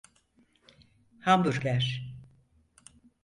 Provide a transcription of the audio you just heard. Hamburger…